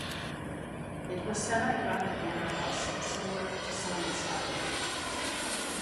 It was set up around a manor house similar to Sonnenstein.